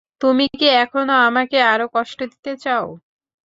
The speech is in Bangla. তুমি কি এখনও আমাকে আরো কষ্ট দিতে চাও?